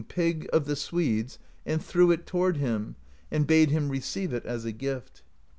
Pig of the Swedes, and threw it toward him, and bade him receive it as a gift.